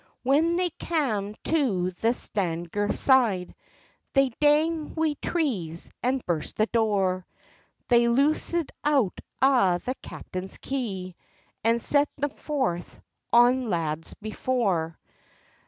When they cam to the Stanegirthside, They dang wi' trees, and burst the door; They loosed out a' the captain's kye, And set them forth our lads before.